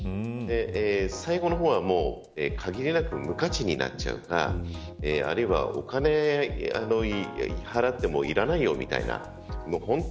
最後の方は限りなく無価値になっちゃうかあるいはお金を払ってもいらないよみたいな